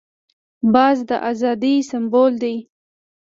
باز د آزادۍ سمبول دی